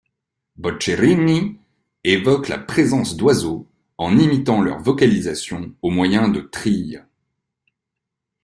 Boccherini évoque la présence d'oiseaux en imitant leurs vocalisations au moyen de trilles.